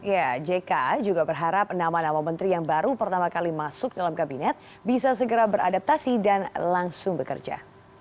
ya jk juga berharap nama nama menteri yang baru pertama kali masuk dalam kabinet bisa segera beradaptasi dan langsung bekerja